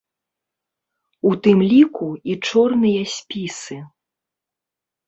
У тым ліку, і чорныя спісы.